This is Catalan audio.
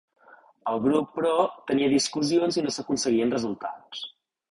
El grup, però, tenia discussions i no s'aconseguien resultats.